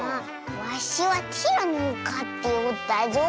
わしはティラノをかっておったぞ。